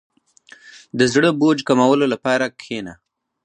• د زړه بوج کمولو لپاره کښېنه.